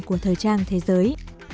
của thời trang thế giới